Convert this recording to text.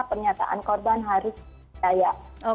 pernyataan korban harus dipercaya